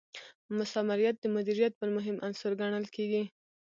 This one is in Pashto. مثمریت د مدیریت بل مهم عنصر ګڼل کیږي.